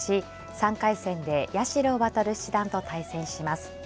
３回戦で八代弥七段と対戦します。